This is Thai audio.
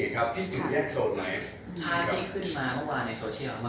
นีอย์ประเภทมากว่าในโซเชียล